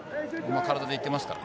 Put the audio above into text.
体で行っていますからね。